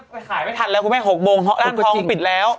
ผ่านไปถัดแล้วคุณแม่๖โมงคร่านทองมันปิดแล้ว